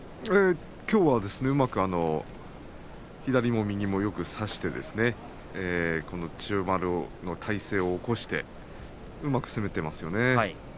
きょうはうまく左も右もよく差して千代丸の体勢を起こしてうまく攻めていますね。